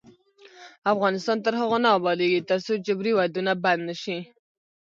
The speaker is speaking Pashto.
افغانستان تر هغو نه ابادیږي، ترڅو جبري ودونه بند نشي.